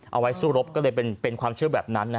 เอาไว้สู้รบก็เลยเป็นความเชื่อแบบนั้น